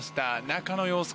中の様子